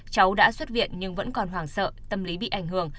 cháu đã xuất viện nhưng vẫn còn hoảng sợ tâm lý bị ảnh hưởng